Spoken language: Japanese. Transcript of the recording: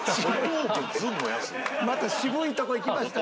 また渋いとこいきましたね。